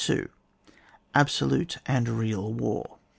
ABSOLUTE AND REAL WAR.